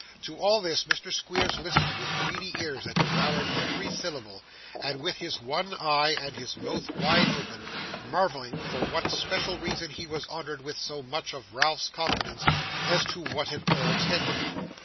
To all this Mr. Squeers listened, with greedy ears that devoured every syllable, and with his one eye and his mouth wide open: marvelling for what special reason he was honoured with so much of Ralph's confidence, and to what it all tended.